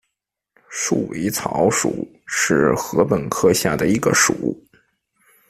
束尾草属是禾本科下的一个属。